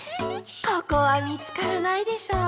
ここはみつからないでしょう。